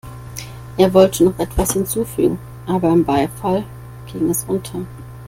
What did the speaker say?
Er wollte noch etwas hinzufügen, aber im Beifall ging es unter.